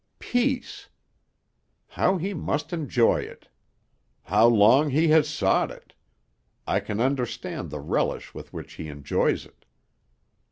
Peace! How he must enjoy it! How long he has sought it! I can understand the relish with which he enjoys it.'